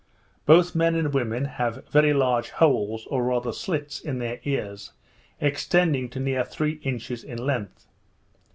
Both men and women have very large holes, or rather slits, in their ears, extending to near three inches in length.